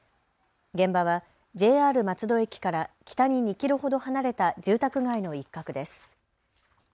現場はＪＲ松戸駅から北に２キロほど離れた住宅街の一角です。